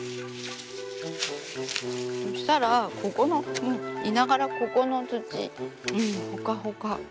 そしたらここのいながらここの土ほかほか。